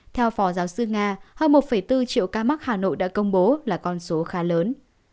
theo phó giáo sư nga hơn một bốn triệu ca mắc hà nội đã công bố là con số khá lớn